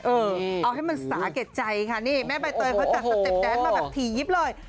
เออเอาให้มันสาแก่ใจค่ะนี่แม่ใบเตยเขาจัดสเต็ปแดนมาแบบถี่ยิบเลย